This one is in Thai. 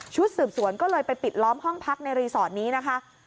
สืบสวนก็เลยไปปิดล้อมห้องพักในรีสอร์ทนี้นะคะ